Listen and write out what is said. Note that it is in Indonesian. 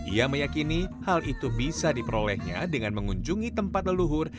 ia meyakini hal itu bisa diperolehnya dengan mengunjungi tempat leluhur